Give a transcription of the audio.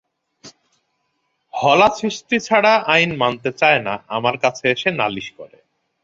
হলা ছিষ্টিছাড়া আইন মানতে চায় না, আমার কাছে এসে নালিশ করে।